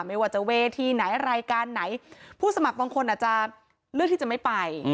ไม่ว่าจะเวทีไหนรายการไหนผู้สมัครบางคนอาจจะเลือกที่จะไม่ไป